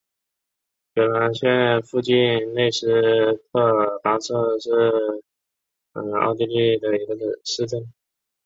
格拉茨附近内施特尔巴赫是奥地利施蒂利亚州格拉茨城郊县的一个市镇。